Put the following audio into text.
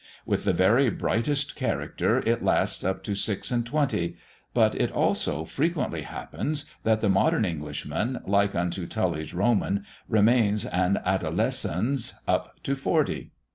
With the very brightest character it lasts up to six and twenty; but it also frequently happens that the modern Englishman, like unto Tully's Roman, remains an 'adolescens' up to forty.